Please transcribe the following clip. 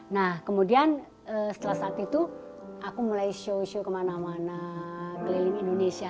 nah kemudian setelah saat itu aku mulai show show kemana mana keliling indonesia